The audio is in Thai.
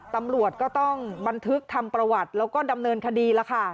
ตำรวจก็ต้องบันทึกทำประวัติแล้วก็ดำเนินคดีล่ะค่ะ